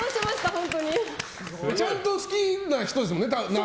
多分、ちゃんと好きな人ですもんね。